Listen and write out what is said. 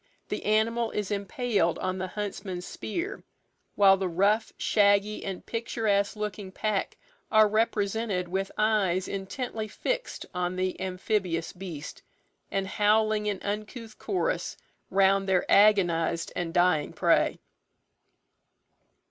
The animal is impaled on the huntsman's spear, while the rough, shaggy, and picturesque looking pack are represented with eyes intently fixed on the amphibious beast, and howling in uncouth chorus round their agonized and dying prey.